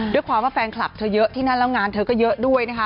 ด้วยความว่าแฟนคลับเธอเยอะที่นั่นแล้วงานเธอก็เยอะด้วยนะคะ